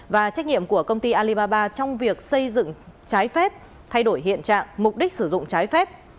và trách nhiệm của công ty alibaba trong việc xây dựng trái phép thay đổi hiện trạng mục đích sử dụng trái phép